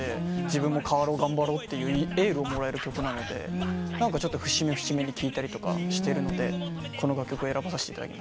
自分も変わろう頑張ろうってエールをもらえる曲なので節目節目に聴いたりとかしてるのでこの楽曲を選ばせていただきました。